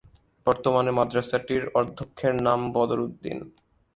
বর্তমানে মাদ্রাসাটির অধ্যক্ষের নাম বদর উদ্দীন।